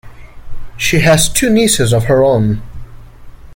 She has two nieces of her own.